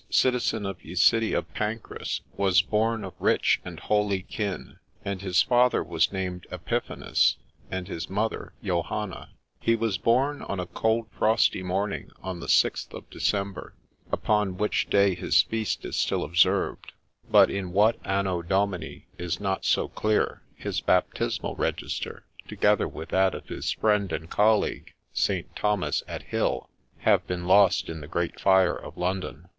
cgtcijm of j>e cgte1 of ^ancraeg, bag borne of rrrhe ant) Ijolne kjjnnc. 3nti hgg fatter toad named CFpiphanug, <inD hid moDrr HE was born on a cold frosty morning, on the 6th of December, (upon which day his feast is still observed,) but in what anno Domini is not so clear ; his baptismal register, together with that of his friend and colleague, St. Thomas at Hill, having been * lost in the great fire of London.'